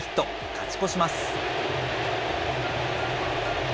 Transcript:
勝ち越します。